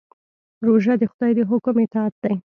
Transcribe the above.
روژه د خدای د حکم اطاعت دی.